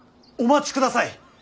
お待ちください。